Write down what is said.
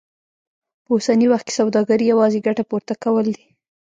په اوسني وخت کې سوداګري يوازې ګټه پورته کول دي.